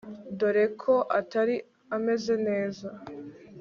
dore ko Atari ameze neza